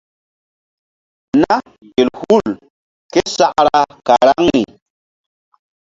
Na gel hul késakra karaŋri.